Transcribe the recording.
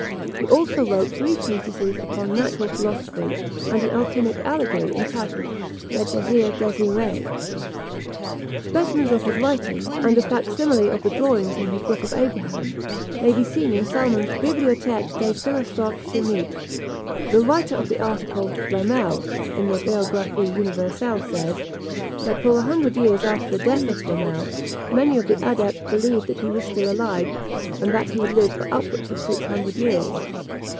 He also wrote three treatises upon natural philosophy, and an alchymic allegory, entitled Le Désir désiré. Specimens of his writing, and a fac simile of the drawings in his book of Abraham, may be seen in Salmon's Bibliothèque des Philosophes Chimiques. The writer of the article Flamel in the Biographie Universelle says, that for a hundred years after the death of Flamel, many of the adepts believed that he was still alive, and that he would live for upwards of six hundred years.